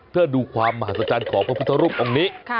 เพื่อดูความมหัศจรรย์ของพระพุทธรูปองค์นี้